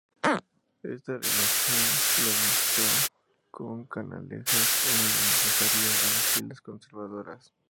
Esta relación lo enemistó con Canalejas e ingresaría en las filas conservadoras.